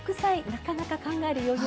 なかなか考える余裕が。